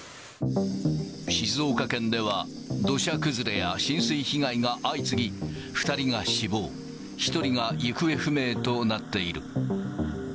静岡県では、土砂崩れや浸水被害が相次ぎ、２人が死亡、１人が行方不明となっている。